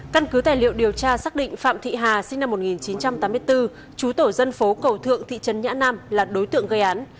căn cứ tài liệu điều tra xác định phạm thị hà sinh năm một nghìn chín trăm tám mươi bốn chú tổ dân phố cầu thượng thị trấn nhã nam là đối tượng gây án